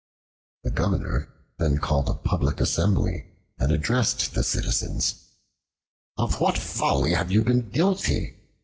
The Governor then called a public assembly and addressed the citizens: "Of what folly have you been guilty?